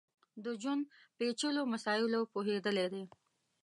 د ژوند پېچلیو مسایلو پوهېدلی دی.